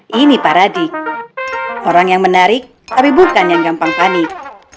hai ini paradigme orang yang menarik tapi bukan yang gampang panik